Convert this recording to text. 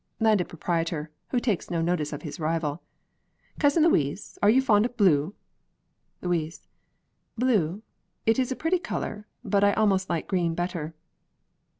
Landed Proprietor (who takes no notice of his rival) Cousin Louise, are you fond of blue? Louise Blue? It is a pretty color; but I almost like green better.